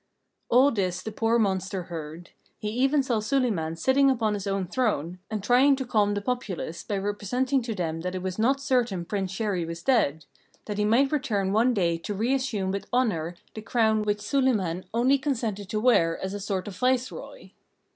All this the poor monster heard. He even saw Suliman sitting upon his own throne, and trying to calm the populace by representing to them that it was not certain Prince Chéri was dead; that he might return one day to reassume with honour the crown which Suliman only consented to wear as a sort of viceroy.